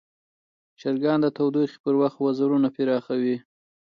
چرګان د تودوخې پر وخت وزرونه پراخوي.